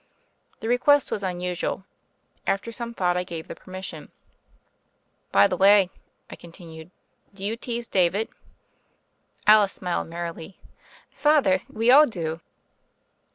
The request was unusual. After some thought I gave the permission. By the way," I continued, "do you tease David?" Alice smiled merrily. "Father, we all do."